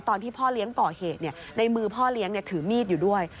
ตอนที่พ่อเลี้ยงก่อเหตุในมือพ่อเลี้ยงถือมีดอยู่ด้วย